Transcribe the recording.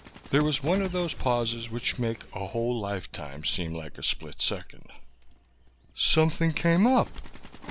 There was one of those pauses which make a whole life time seem like a split second. "Something came up!"